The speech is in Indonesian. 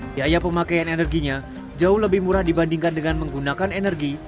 biaya pemakaian energinya jauh lebih murah dibandingkan dengan menggunakan energi